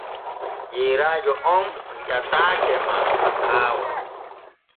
Yeyrajo om wiataake ma haawa.